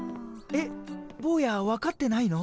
えっぼうや分かってないの？